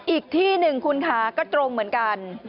อีกที่หนึ่งคุณค่ะก็ตรงเหมือนกัน